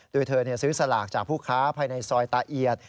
โดยเธอซื้อสลากจากผู้ค้าภายในซอยตาเอียด